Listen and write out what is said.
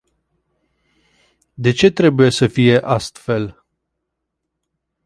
De ce trebuie să fie astfel?